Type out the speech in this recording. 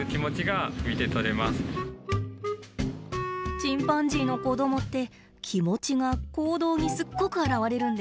チンパンジーの子供って気持ちが行動にすっごく表れるんです。